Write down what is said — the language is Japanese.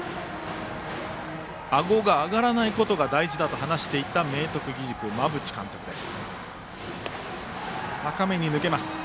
あごが上がらないことが大事だと話していた明徳義塾、馬淵監督です。